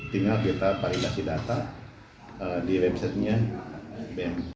tinggal kita validasi data di websitenya benz